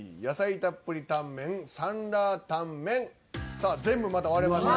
さあ全部また割れました。